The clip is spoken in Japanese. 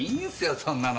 そんなの。